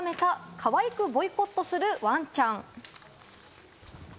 かわいくボイコットするワンちゃん。